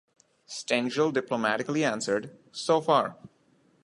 Stengel diplomatically answered, So far!